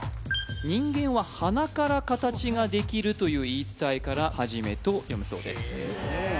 人間は鼻から形ができるという言い伝えからはじめと読むそうです・へえ